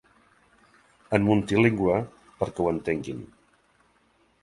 En multilingüe perquè ho entenguin.